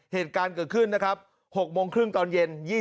เหตุการณ์เกิดขึ้นนะครับ๖โมงครึ่งตอนเย็น